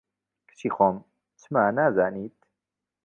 کچی خۆم، چما نازانیت